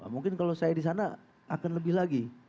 mungkin kalau saya di sana akan lebih lagi